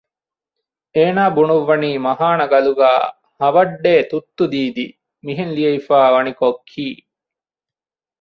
އޭނާ ބުނުއްވަނީ މަހާނަ ގަލުގައި ‘ހަވައްޑޭ ތުއްތު ދީދީ’ މިހެން ލިޔެވިފައި ވަނިކޮށް ކީ